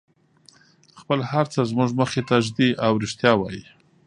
خپل هر څه زموږ مخې ته ږدي او رښتیا وایي.